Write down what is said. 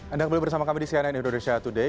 anda kembali bersama kami di cnn indonesia today